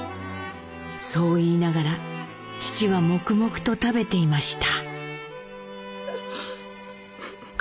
そう言いながら父は黙々と食べていました。